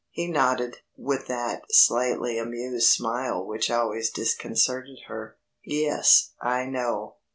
He nodded, with that slightly amused smile which always disconcerted her. "Yes, I know.